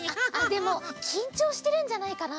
でもきんちょうしてるんじゃないかな？